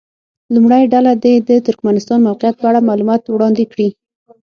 لومړۍ ډله دې د ترکمنستان موقعیت په اړه معلومات وړاندې کړي.